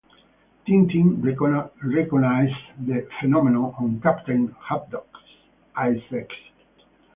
Tintin recognizes the phenomenon on Captain Haddock's ice-axe.